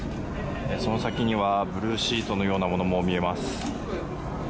その先にはブルーシートのようなものも見えます。